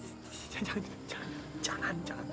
eh jangan jangan jangan